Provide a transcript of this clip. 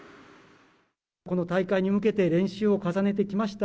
この大会に向けて練習を重ねてきました